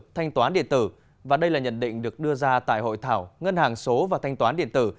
thanh toán điện tử và đây là nhận định được đưa ra tại hội thảo ngân hàng số và thanh toán điện tử